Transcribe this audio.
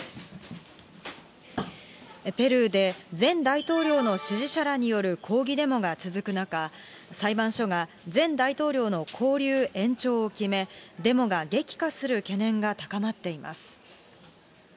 ペルーで、前大統領の支持者らによる抗議デモが続く中、裁判所が前大統領の勾留延長を決め、デモが激化する懸念が高まっています。